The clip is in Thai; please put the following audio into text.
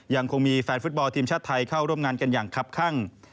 ยังคงมีแฟนฟุตบอลทีมชาติไทยเข้าร่วมงานกันอย่างคับข้าง